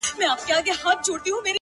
پوره اته دانې سمعان ويلي كړل;